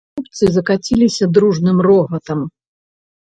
Хлопцы закаціліся дружным рогатам.